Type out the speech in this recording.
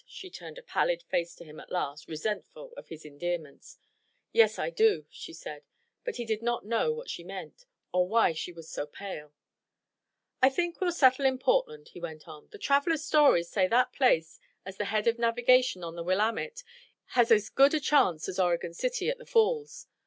She turned a pallid face to him at last, resentful of his endearments. "Yes, I do," she said. But he did not know what she meant, or why she was so pale. "I think we'll settle in Portland," he went on. "The travelers' stories say that place, at the head of navigation on the Willamette, has as good a chance as Oregon City, at the Falls.